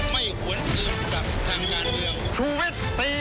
ไม่ที่ถึงดันทั้งงานนี้